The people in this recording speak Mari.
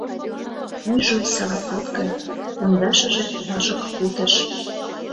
Вуйжо сыра под гай, пондашыже важык кутыш.